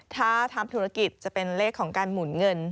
ถ้าทำธุรกิจจะเป็นเลขของการหมุนเงิน